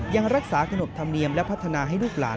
ยังรักษาขนบธรรมเนียมและพัฒนาให้ลูกหลาน